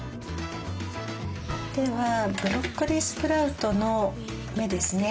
ではブロッコリースプラウトの芽ですね